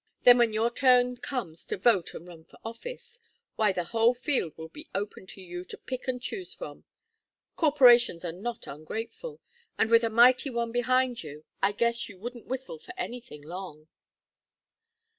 Then when your turn comes to vote and run for office why, the whole field will be open to you to pick and choose from. Corporations are not ungrateful, and with a mighty one behind you, I guess you wouldn't whistle for anything, long."